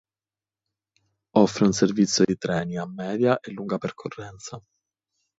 Offre un servizio di treni a media e lunga percorrenza.